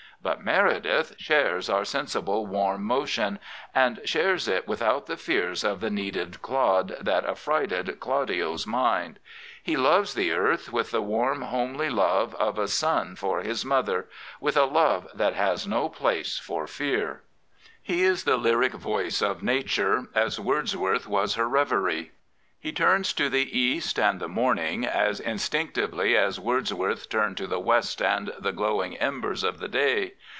But Meredith shares our " sensible warm motion " and shares it without the fears of the " kneaded clod that affrighted Claudio's mind. He loves the earth with the warm, homely love of a son for his mother — with a love that has no place for fear. He is the lyric voice of Nature, as Wordsworth was her reverie. He turns to the East and the morning as instinctively as Wordsworth turned to the West and the glowing embers of the day.